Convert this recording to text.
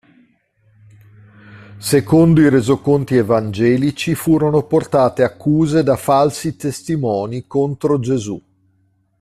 Secondo i resoconti evangelici furono portate accuse da "falsi testimoni" contro Gesù.